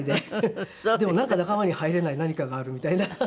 でもなんか仲間に入れない何かがあるみたいな。